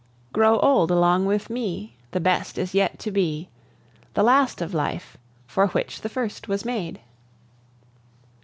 "Grow old along with me! The best is yet to be, The last of life, for which the first was made."